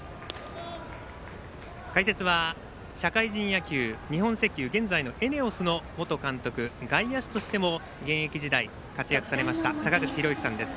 解説は社会人野球、日本石油現在のＥＮＥＯＳの元監督外野手としても現役時代活躍されました坂口裕之さんです。